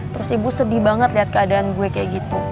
terus ibu sedih banget lihat keadaan gue kayak gitu